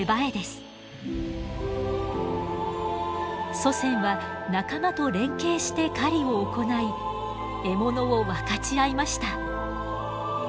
祖先は仲間と連携して狩りを行い獲物を分かち合いました。